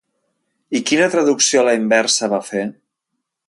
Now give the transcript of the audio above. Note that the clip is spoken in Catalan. I quina traducció a la inversa va fer?